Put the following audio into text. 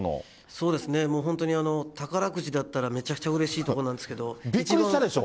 そうですね、もう本当に宝くじだったらめちゃくちゃうれしいところなんですけびっくりしたでしょ？